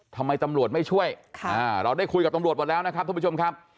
ทำไมตำรวจไม่ช่วยเราได้คุยกับตำรวจหมดแล้วนะครับท่านผู้ชมครับ